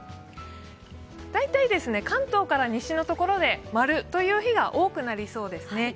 大体関東から西のところで○という日が多くなりそうですね。